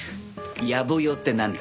やぼ用ってなんだ？